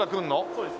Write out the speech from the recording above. そうです。